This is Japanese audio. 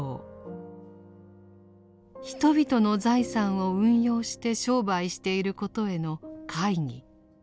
人々の財産を運用して商売していることへの懐疑。